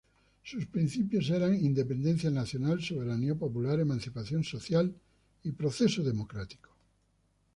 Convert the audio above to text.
Sus principios eran "independencia nacional, soberanía popular, emancipación social y proceso democrático.